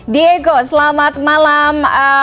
diego selamat malam